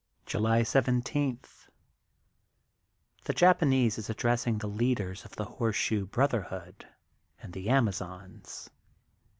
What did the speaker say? July 17: — ^The Japanese is addressing the leaders of the Horseshoe Brotherhood and the Amazons.